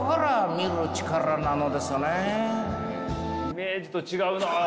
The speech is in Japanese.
イメージと違うなあ